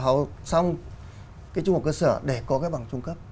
học xong cái trung học cơ sở để có cái bằng trung cấp